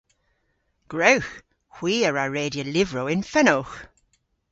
Gwrewgh! Hwi a wra redya lyvrow yn fenowgh.